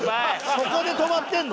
そこで止まってるの？